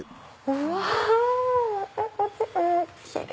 うわ！